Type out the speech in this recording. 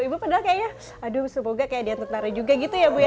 ibu pernah kayak ya aduh semoga kayak dia tentara juga gitu ya bu ya